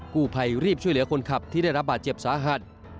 ผู้ภัยรีบช่วยเหลือคนขับที่ได้รับบาดเจ็บสาหัส